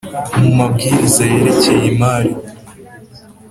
mu mabwiriza yerekeye imari